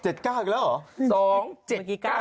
อีกแล้วเหรอ